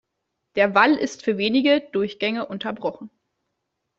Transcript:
Der Wall ist für wenige Durchgänge unterbrochen.